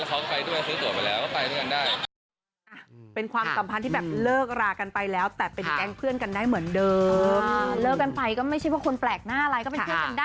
เขาก็ไปด้วยซื้อตัวไปแล้วก็ไปด้วยกันได้